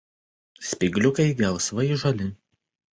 Spygliukai gelsvai žali.